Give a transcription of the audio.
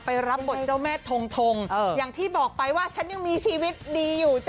รับบทเจ้าแม่ทงทงอย่างที่บอกไปว่าฉันยังมีชีวิตดีอยู่จ้